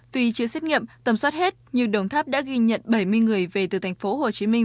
tuy chưa xét nghiệm tầm soát hết nhưng đồng tháp đã ghi nhận bảy mươi người về từ thành phố hồ chí minh